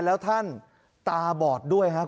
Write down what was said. แล้วท่านตาบอดด้วยครับ